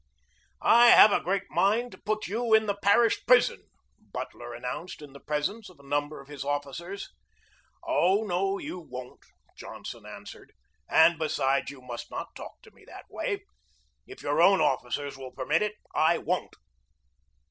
"I have a great mind to put you in the parish prison," Butler announced in the presence of a num ber of his officers. "Oh, no, you won't," Johnson answered. "And, besides, you must not talk to me that way. If your own officers will permit it, I won't."